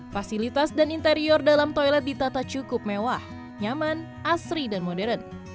fasilitas dan interior dalam toilet ditata cukup mewah nyaman asri dan modern